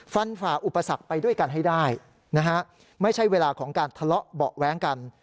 ฝ่าอุปสรรคไปด้วยกันให้ได้นะฮะไม่ใช่เวลาของการทะเลาะเบาะแว้งกัน